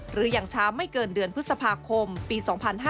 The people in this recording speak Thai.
หรืออย่างช้าไม่เกินเดือนพฤษภาคมปี๒๕๕๙